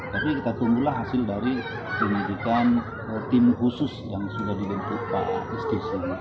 tapi kita tunggulah hasil dari penyelidikan tim khusus yang sudah dibentuk pak istis